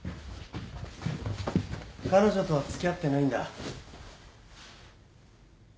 彼女とは付き合ってないんだ。